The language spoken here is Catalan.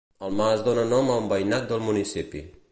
El mas dóna nom a un veïnat del municipi.